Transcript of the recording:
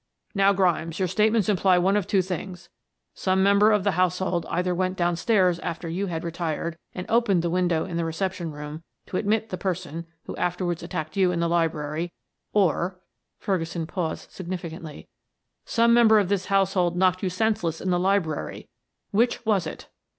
Now, Grimes, your statements imply one of two things some member of the household either went downstairs after you had retired, and opened the window in the reception room to admit the person who afterwards attacked you in the library, or" Ferguson paused significantly, "some member of this household knocked you senseless in the library. Which was it?"